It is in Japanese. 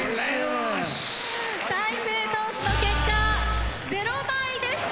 大勢投手の結果０枚でした。